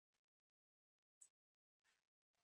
我叫雨宫伊织！